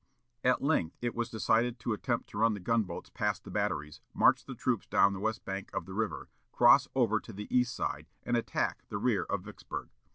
At length it was decided to attempt to run the gun boats past the batteries, march the troops down the west bank of the river, cross over to the east side, and attack the rear of Vicksburg.